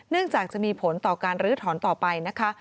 จากจะมีผลต่อการลื้อถอนต่อไปนะคะ